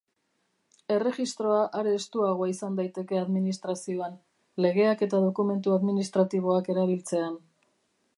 Erregistroa are estuagoa izan daiteke administrazioan, legeak eta dokumentu administratiboak erabiltzean.